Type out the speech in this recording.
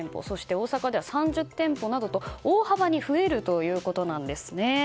大阪では３０店舗などと大幅に増えるということです。